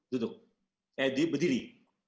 duduk eh berdiri